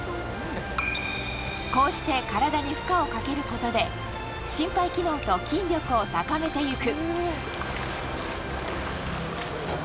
こうして体に負荷をかけることで心肺機能と筋力を高めていく。